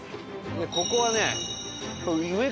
でここはね。